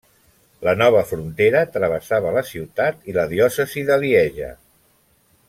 La nova frontera travessava la ciutat i la diòcesi de Lieja.